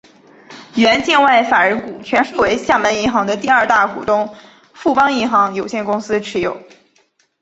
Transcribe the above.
原境外法人股全数为厦门银行的第二大股东富邦银行有限公司持有。